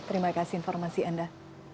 terima kasih informasi anda